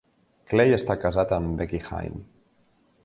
Clay està casat amb Becki Hine.